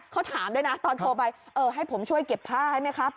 เขาถามด้วยนะตอนโทรไปเออให้ผมช่วยเก็บผ้าให้ไหมครับ